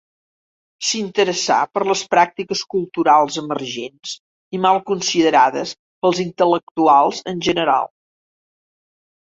S'interessà per les pràctiques culturals emergents i mal considerades pels intel·lectuals en general.